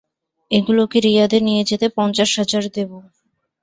এগুলোকে রিয়াদে নিয়ে যেতে পঞ্চাশ হাজার দেবো।